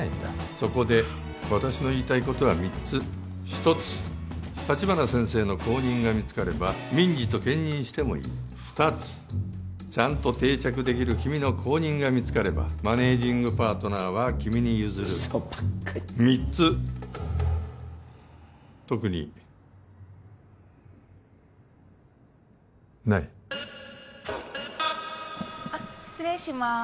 そこで私の言いたいことは３つ１つ立花先生の後任が見つかれば民事と兼任してもいい２つちゃんと定着できる君の後任が見つかればマネージングパートナーは君に譲る嘘ばっかり３つ特にないあっ失礼します